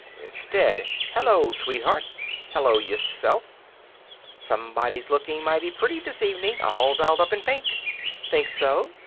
Instead: "Hello, sweetheart!" "Hello, yourself." "Somebody's looking mighty pretty this evening, all dolled up in pink." "Think so?"